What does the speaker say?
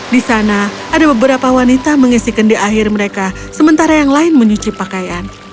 di sana ada beberapa wanita mengisikan di akhir mereka sementara yang lain menyuci pakaian